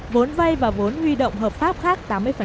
vốn vay và vốn huy động hợp pháp khác tám mươi